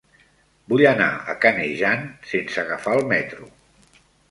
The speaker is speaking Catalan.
Vull anar a Canejan sense agafar el metro.